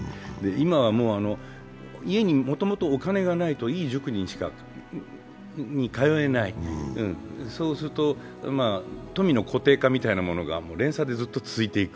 今は、もう家にもともとお金がないといい塾に通えない、そうすると富の固定化みたいなものが連鎖でずっと続いていく。